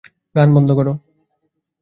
গান বন্ধ করো।